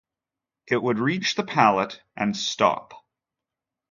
It would reach the pallet and stop.